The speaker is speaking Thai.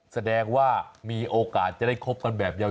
แสดงว่ามีโอกาสจะได้คบกันแบบยาว